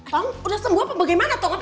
kamu udah sembuh apa bagaimana